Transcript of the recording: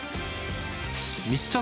密着！